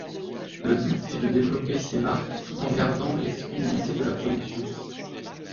Le but est de développer ces marques tout en gardant l'exclusivité de la production.